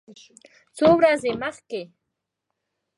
څو ورځې مخکې